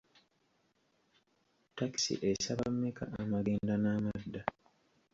Ttakisi esaba mmeka amagenda n’amadda?